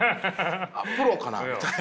プロかなみたいな。